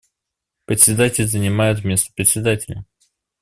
Председатель занимает место Председателя.